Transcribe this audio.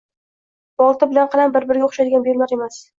Bolta bilan qalam bir-biriga o’xshaydigan buyumlar emas.